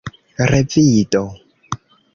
revido